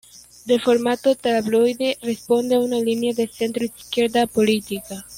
De formato tabloide, responde a una línea de centro izquierda política.